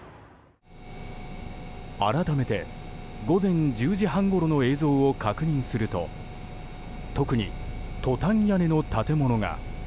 改めて午前１０時半ごろの映像を確認すると特に、トタン屋根の建物が。